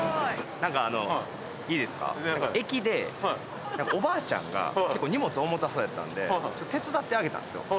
なんか、いいですか、駅でおばあちゃんが結構荷物重たそうやったんで、ちょっと手伝ってあげたんですよ。